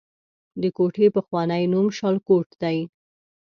د کوټې پخوانی نوم شالکوټ دی